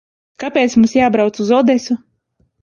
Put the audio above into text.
Kāpēc mums jābrauc uz Odesu?